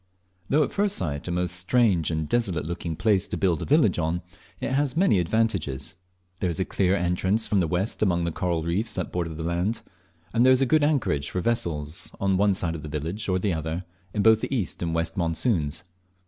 Though at first sight a most strange and desolate looking place to build a village on, it has many advantages. There is a clear entrance from the west among the coral reefs that border the land, and there is good anchorage for vessels, on one side of the village or the other, in both the east and west monsoons.